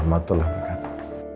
kocok lah bukan brilliant acara yang ini